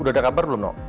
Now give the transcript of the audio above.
udah ada kabar belum noh